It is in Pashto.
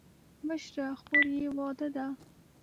مشره خور یې واده ده.